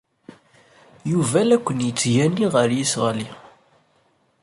Yuba la ken-yettgani ɣer yiseɣli.